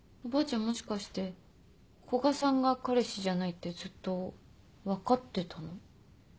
もしかして古賀さんが彼氏じゃないってずっと分かってたの？